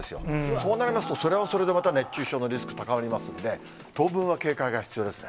そうなりますと、それはそれでまた熱中症のリスク高まりますので、当分は警戒が必要ですね。